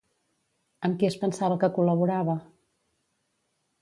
Amb qui es pensava que col·laborava?